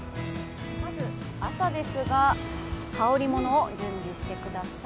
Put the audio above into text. まず朝ですが、羽織りものを準備してください。